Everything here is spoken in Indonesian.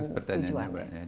bagus pertanyaannya mbak